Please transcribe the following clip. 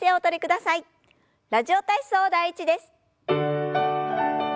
「ラジオ体操第１」です。